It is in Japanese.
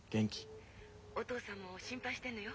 ☎お父さんも心配してんのよ。